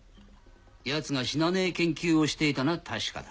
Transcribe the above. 奴が死なねえ研究をしていたのは確かだ。